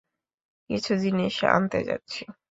কিছু জিনিস আনতে যাচ্ছি।